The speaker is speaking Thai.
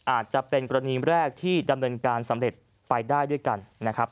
อาจจะเป็นกรณีแรกที่ดำเนินการสำเร็จไปได้ด้วยกันนะครับ